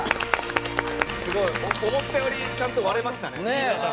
思ったよりちゃんと割れましたね。